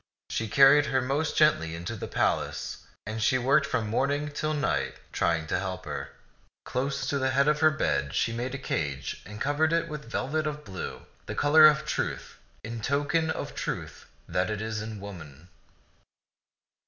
She carried her most gently to the palace, and she worked from morning till night, trying to help her. Close to the head of her bed she made a cage and covered it with velvet of blue, the color of truth, in token of the truth that is in woman.